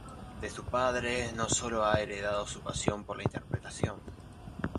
De su padre no solo ha heredado su pasión por la interpretación.